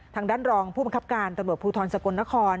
ทางด้านรองผู้บังคับการตำรวจภูทรสกลนคร